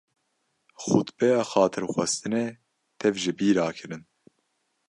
Xutbeya Xatirxwestinê tev ji bîra kirin.